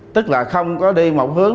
tức là không có đi một hướng